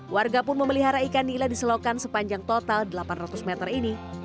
warga pun memelihara ikan nila di selokan sepanjang total delapan ratus meter ini